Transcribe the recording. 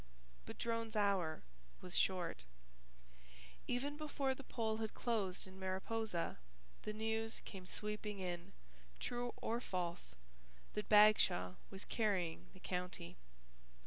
But Drone's hour was short. Even before the poll had closed in Mariposa, the news came sweeping in, true or false, that Bagshaw was carrying the county.